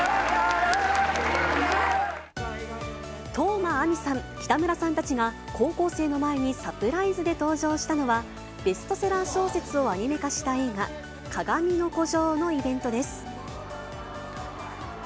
當真あみさん、北村さんたちが、高校生の前にサプライズで登場したのは、ベストセラー小説をアニメ化した映画、かがみの孤城のイベントです。